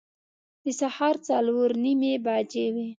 د سهار څلور نیمې بجې وې.